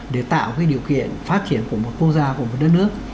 để tạo điều kiện phát triển của một quốc gia của một đất nước